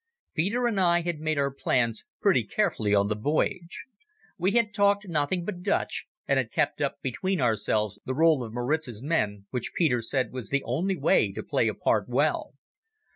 Peter and I had made our plans pretty carefully on the voyage. We had talked nothing but Dutch, and had kept up between ourselves the role of Maritz's men, which Peter said was the only way to play a part well.